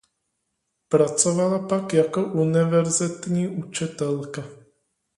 Pracovala pak jako univerzitní učitelka.